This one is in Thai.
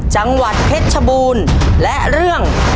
จังหวัดเพชรชบูรณ์